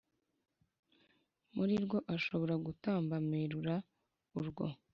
muri rwo ashobora gutambamira urwo